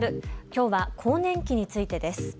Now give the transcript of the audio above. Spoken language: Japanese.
きょうは更年期についてです。